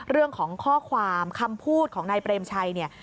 เรื่องของข้อความคำพูดของนายเปรมชัยเนี่ย